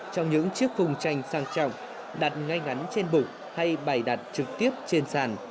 trong những chiếc phùng tranh sang trọng đặt ngay ngắn trên bụng hay bày đặt trực tiếp trên sàn